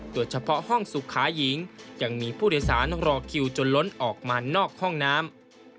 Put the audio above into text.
โดยเฉพาะห้องสุขาหญิงยังมีผู้โดยสารรอคิวจนล้นออกมานอกห้องน้ำ